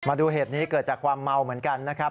มาดูเหตุนี้เกิดจากความเมาเหมือนกันนะครับ